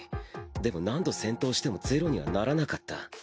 でも何度戦闘しても０にはならなかった。